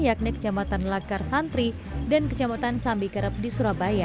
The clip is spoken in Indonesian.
yakni kecamatan lakar santri dan kecamatan sambikerep di surabaya